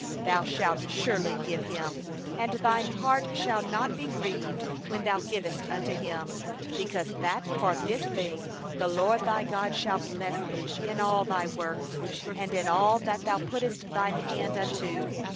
10Thou shalt surely give him, and thy heart shall not be grieved when thou givest unto him; because that for this thing the LORD thy God will bless thee in all thy work, and in all that thou puttest thy hand unto.